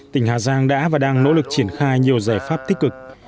tỉnh hà giang đã và đang nỗ lực triển khai nhiều giải pháp tích cực